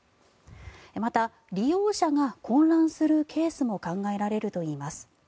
また、利用者が混乱するケースも考えられるといいます。